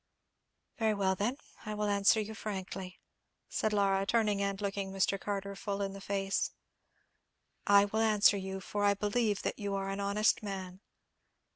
"Very well then, I will answer you frankly," said Laura, turning and looking Mr. Carter full in the face. "I will answer you, for I believe that you are an honest man.